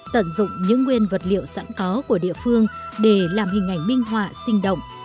tận dụng những nguyên vật liệu sẵn có của địa phương để làm hình ảnh minh họa sinh động